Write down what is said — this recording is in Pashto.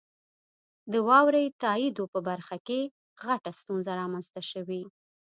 د واورئ تائیدو په برخه کې غټه ستونزه رامنځته شوي.